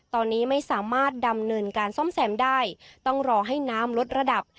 ตอนนี้ไม่สามารถดำเนินการซ่อมแซมได้ต้องรอให้น้ำลดระดับ